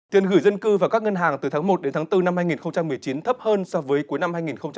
tiền gửi dân cư vào các ngân hàng từ tháng một đến tháng bốn năm hai nghìn một mươi chín thấp hơn so với cuối năm hai nghìn một mươi tám